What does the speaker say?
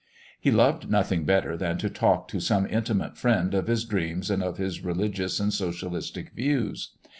He loved nothing better than to talk to some intimate friend of his dreams and of his religious and socialistic views.